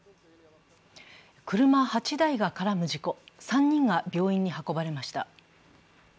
車８台が絡む事故、３人が病院に運ばれました。